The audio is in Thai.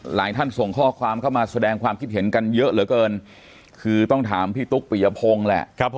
ท่านส่งข้อความเข้ามาแสดงความคิดเห็นกันเยอะเหลือเกินคือต้องถามพี่ตุ๊กปิยพงศ์แหละ